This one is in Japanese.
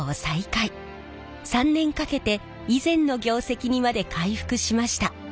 ３年かけて以前の業績にまで回復しました。